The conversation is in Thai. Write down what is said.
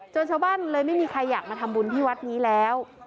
ชาวบ้านเลยไม่มีใครอยากมาทำบุญที่วัดนี้แล้ว